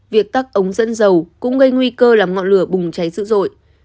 việc tắt ống dẫn dầu cũng gây nguy cơ làm ngọn lửa bùng cháy dữ dội